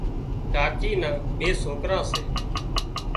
ڪاچي نا ٻي سوڪرا سي